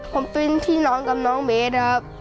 ผมเป็นพี่น้องกับน้องเบสนะครับ